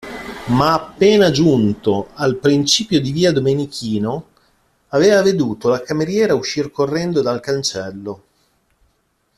Ma appena giunto al principio di via Domenichino, aveva veduto la cameriera uscir correndo dal cancello.